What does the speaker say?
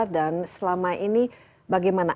dan selama ini bagaimana